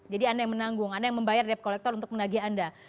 jadi anda yang menanggung anda yang membayar debt collector untuk menagih anda